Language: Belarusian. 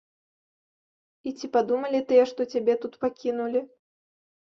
І ці падумалі тыя, што цябе тут пакінулі.